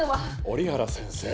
折原先生。